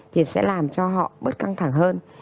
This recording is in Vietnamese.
thì sẽ làm cho họ bớt căng thẳng hơn